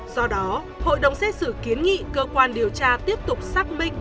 do đó hội đồng xét xử kiến nghị cơ quan điều tra tiếp tục xác minh